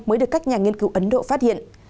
mới được các nhà nghiên cứu ấn độ phát hiện